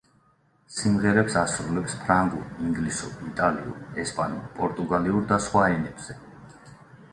სიმღერებს ასრულებს ფრანგულ, ინგლისურ, იტალიურ, ესპანურ, პორტუგალიურ და სხვა ენებზე.